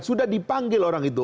sudah dipanggil orang itu